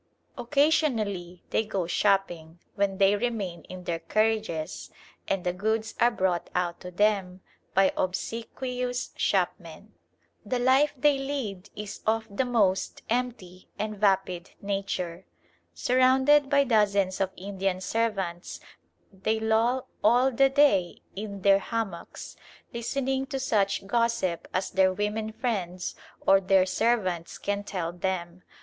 Occasionally they go shopping, when they remain in their carriages, and the goods are brought out to them by obsequious shopmen. The life they lead is of the most empty and vapid nature. Surrounded by dozens of Indian servants, they loll all the day in their hammocks, listening to such gossip as their women friends or their servants can tell them.